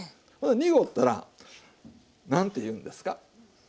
濁ったら何て言うんですか？